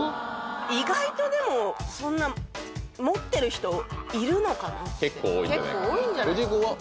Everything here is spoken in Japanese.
意外とでもそんな持ってる人いるのかなって結構多いんじゃないかな藤井君は？